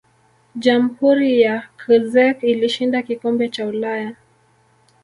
jamhuri ya czech ilishinda kikombe cha ulaya